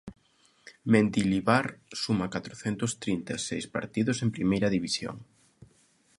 Mendilibar suma catrocentos trinta e seis partidos en Primeira División.